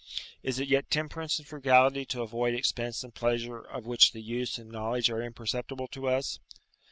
Is it yet temperance and frugality to avoid expense and pleasure of which the use and knowledge are imperceptible to us?